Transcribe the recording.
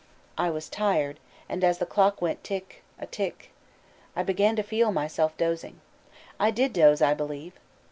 I was tired, and as the clock went tick a tick, I began to feel myself dozing. I did doze, I believe.